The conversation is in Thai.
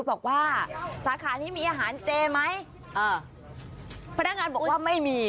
บอกว่าสาขานี้มีอาหารเจไหมอ่าพนักงานบอกว่าไม่มี